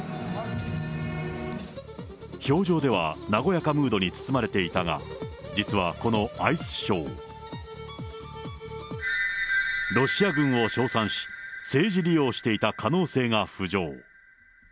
氷上では和やかムードに包まれていたが、実はこのアイスショー、ロシア軍を称賛し、政治利用していた可能性が浮上。